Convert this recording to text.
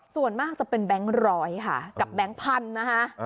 ส่วนมากจะเป็นแบงค์ร้อยค่ะกับแบงค์พันธุ์นะคะ